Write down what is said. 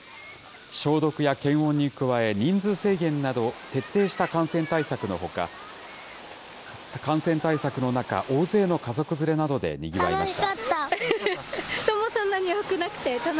消毒や検温に加え、人数制限など、徹底した感染対策の中、大勢の家族連れなどでにぎわいました。